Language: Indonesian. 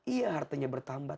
iya hartanya bertambah